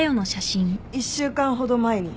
１週間ほど前に。